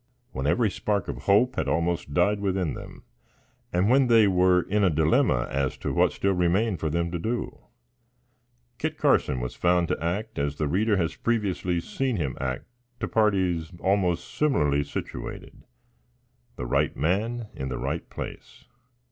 When every spark of hope had almost died within them, and when they were in a dilemma as to what still remained for them to do, Kit Carson was found to act as the reader has previously seen him act to parties almost similarly situated the right man in the right place.